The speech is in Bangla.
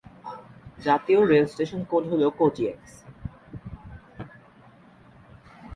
জাতীয় রেল স্টেশন কোড হল কজিএক্স।